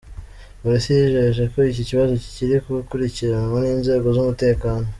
Polisi yijeje ko iki kibazo kikiri gukurikiranwa n’inzego z’umutekano.